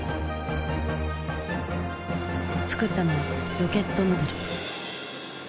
作ったのはロケットノズル。